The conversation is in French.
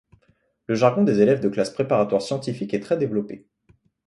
Le jargon des élèves de classes préparatoires scientifique est très développé.